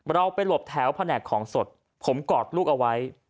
เราไปหลบแถวแผนกของสดผมกอดลูกเอาไว้